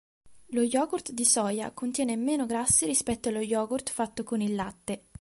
Lo yogurt di soia contiene meno grassi rispetto allo yogurt fatto con il latte.